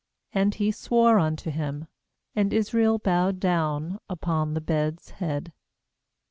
And he swore unto him. And Israel bowed down upon the bed's head.